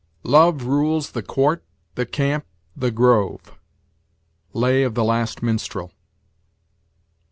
"Love rules the court, the camp, the grove." Lay of the Last Minstrel.